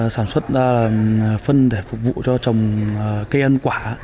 sản xuất ra phân để phục vụ cho trồng cây ăn quả